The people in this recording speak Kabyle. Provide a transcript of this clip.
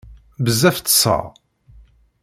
Bezzaf ṭṭseɣ.